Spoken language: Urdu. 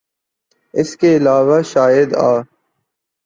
اس کے علاوہ شاید آ